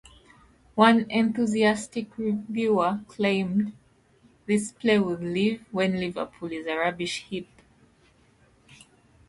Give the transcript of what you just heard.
One enthusiastic reviewer claimed, this play will live when Liverpool is a rubbish heap.